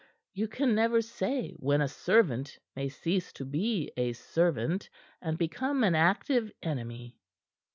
You can never say when a servant may cease to be a servant, and become an active enemy."